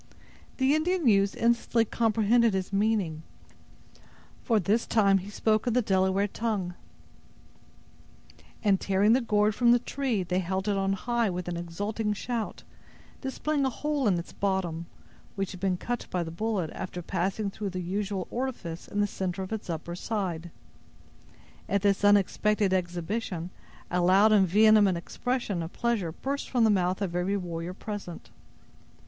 The Indian youths instantly comprehended his meaning—for this time he spoke in the Delaware tongue—and tearing the gourd from the tree, they held it on high with an exulting shout, displaying a hole in its bottom, which had been cut by the bullet, after passing through the usual orifice in the center of its upper side. At this unexpected exhibition, a loud and vehement expression of pleasure burst from the mouth of every warrior present.